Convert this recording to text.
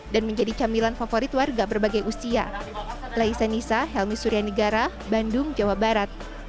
dan menjadi camilan favorit warga berbagai usia